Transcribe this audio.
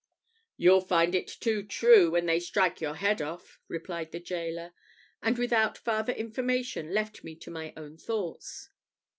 "You'll find it too true, when they strike your head off," replied the gaoler; and without farther information left me to my own thoughts.